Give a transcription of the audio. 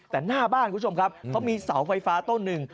แต่หน้าบ้านคุณผู้ชมครับเขามีเสาไฟฟ้าต้นหนึ่ง